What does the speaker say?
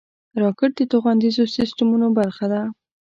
راکټ د توغندیزو سیسټمونو برخه ده